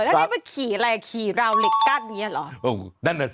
แล้วนี่คือขี่อะไรขี่ราวเหล็กด้านนี้เหรอ